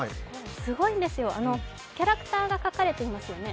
すごいんですよ、キャラクターが描かれていますよね。